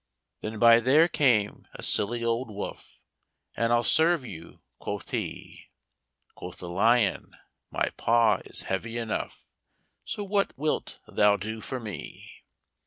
Then by there came a silly old wolf, 'And I'll serve you,' quoth he; Quoth the Lyon, 'My paw is heavy enough, So what wilt thou do for me?'